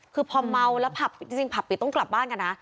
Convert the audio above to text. คือพอเมาแล้วผับจริงผับปิดต้องกลับบ้านกันนะ